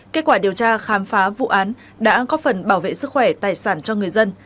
kết quả điều tra khám phá vụ án đã có phần bảo vệ sức khỏe tài sản cho người dân